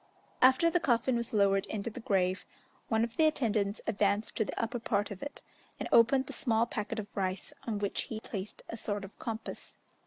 After the coffin was lowered into the grave, one of the attendants advanced to the upper part of it, and opened the small packet of rice, on which he placed a sort of compass.